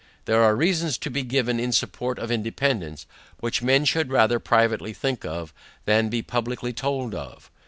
There are reasons to be given in support of Independance, which men should rather privately think of, than be publicly told of.